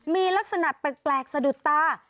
มีลักษณะแปลกสะดุดตา